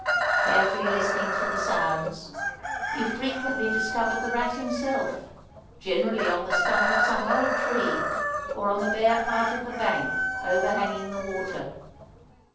Carefully listening to the sounds, you frequently discovered the rat himself, generally on the stump of some old tree, or on the bare part of the bank overhanging the water.